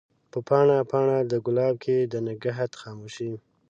په پاڼه ، پاڼه دګلاب کښي د نګهت خاموشی